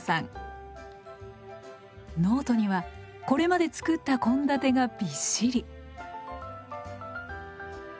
ノートにはこれまで作った献立がびっしり。